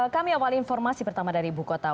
kami awali informasi pertama dari ibu kota